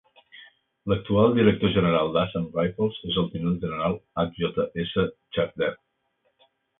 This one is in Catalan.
L'actual director general d'Assam Rifles és el tinent general H.J.S. Sachdev.